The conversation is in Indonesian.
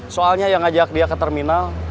soalnya yang ngajak dia ke terminal